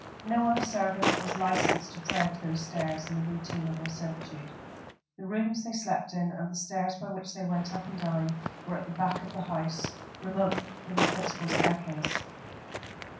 No other servant was licensed to tread those stairs in the routine of their servitude. The rooms they slept in, and the stairs by which they went up and down, were at the back of the house, remote from the principal staircase.